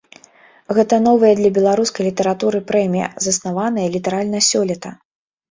Гэта новая для беларускай літаратуры прэмія, заснаваная літаральна сёлета.